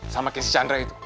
sama kayak si chandra itu